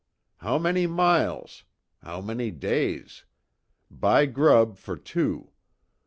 How many miles? How many days? Buy grub for two.